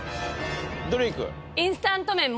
どれいく？